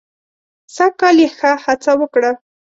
سږ کال یې ښه هڅه وکړه.